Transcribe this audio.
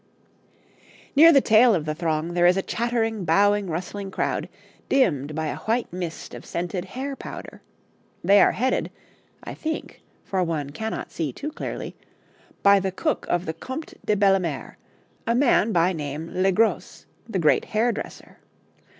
Near the tail of the throng there is a chattering, bowing, rustling crowd, dimmed by a white mist of scented hair powder. They are headed, I think for one cannot see too clearly by the cook of the Comte de Bellemare, a man by name Legros, the great hairdresser.